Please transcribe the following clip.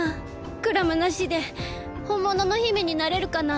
クラムなしでほんものの姫になれるかな？